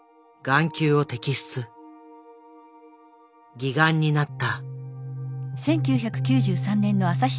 義眼になった。